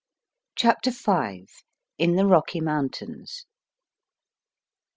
CHAPTER V. IN THE ROCKY MOUNTAINS.